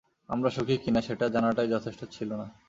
আমরা সুখী কিনা সেটা জানাটাই যথেষ্ট ছিল না!